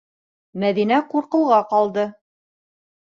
Мәҙинә ҡурҡыуға ҡалды.